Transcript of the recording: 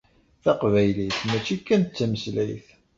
Taqbaylit, mačči kan d tameslayt.